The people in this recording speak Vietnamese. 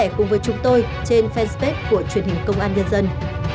hãy cùng với chúng tôi trên fanpage của truyền hình công an nhân dân